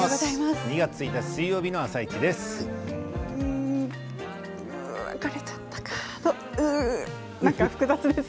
２月１日水曜日の「あさイチ」です。